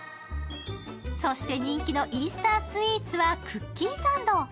そして人気のイースタースイーツはクッキーサンド。